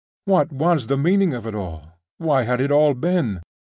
What was the meaning of it all? Why had it all been?